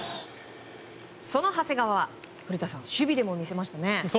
その長谷川は古田さん守備でも見せましたね。